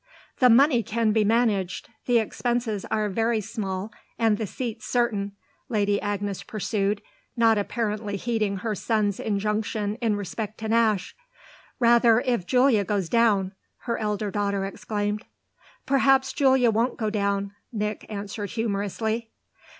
"The money can be managed; the expenses are very small and the seat's certain," Lady Agnes pursued, not apparently heeding her son's injunction in respect to Nash. "Rather if Julia goes down!" her elder daughter exclaimed. "Perhaps Julia won't go down!" Nick answered humorously.